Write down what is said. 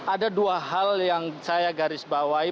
ada dua hal yang saya garis bawahi